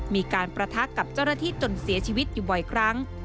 มีการประทะกับเจ้าหน้าที่จนเสียชีวิตอยู่บ่อยครั้ง